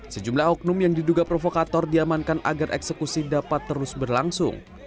sejumlah oknum yang diduga provokator diamankan agar eksekusi dapat terus berlangsung